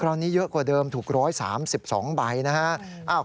ตอนนี้เยอะกว่าเดิมถูก๑๓๒ใบนะฮะ